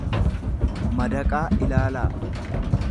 madaqaa ilaalaa.